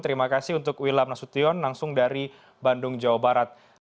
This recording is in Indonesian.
terima kasih untuk wilam nasution langsung dari bandung jawa barat